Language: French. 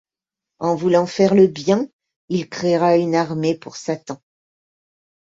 En voulant faire le bien, il créera une armée pour Satan...